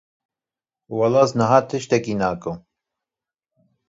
Weleh ez niha tiştekî nakim.